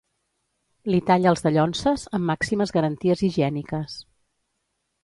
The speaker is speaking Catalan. Li talla els dallonses amb màximes garanties higièniques.